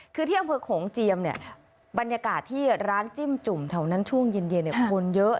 คือที่อำเภอโขงเจียมเนี่ยบรรยากาศที่ร้านจิ้มจุ่มแถวนั้นช่วงเย็นคนเยอะ